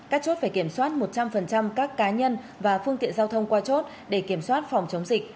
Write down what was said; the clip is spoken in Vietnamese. các chốt phải kiểm soát một trăm linh các cá nhân và phương tiện giao thông qua chốt để kiểm soát phòng chống dịch